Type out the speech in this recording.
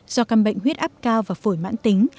do căn bệnh huyết áp cao và phổi mãn tính